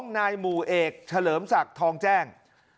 นายหมู่เอกเฉลิมศักดิ์ทองแจ้ง